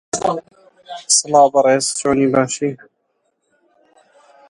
کچەکە لەگەڵ ئامۆزا و خاڵۆزاکانی یاریی چاوشارکێ دەکا.